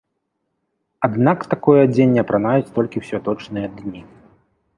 Аднак такое адзенне апранаюць толькі ў святочныя дні.